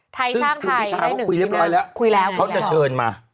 ไทยสร้างไทยได้หนึ่งที่นั่งคุยแล้วเขาจะเชิญมา